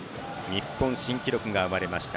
日本新記録が生まれました